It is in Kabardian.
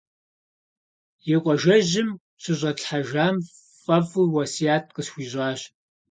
И къуажэжьым щыщӏэтлъхьэжым фӏэфӏу уэсят къысхуищӏащ.